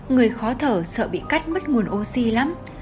người khó thở sợ bị cắt mất nguồn oxy lắm